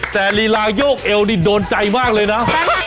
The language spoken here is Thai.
แต่ลีลายกเอวนี่โดนใจมากเลยนะ